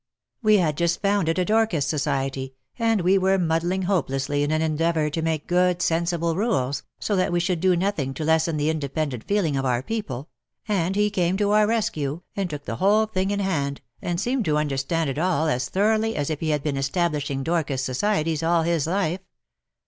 We had just founded a Dorcas Society, and we were muddling hopelessly in an endeavour to make good sensible rules, so that we should do nothing to lessen the independent feeling of our people — and he came to our rescue, and took the whole thing in hand, and seemed to understand it all as thoroughly as if he had been establishing Dorcas Societies all his life.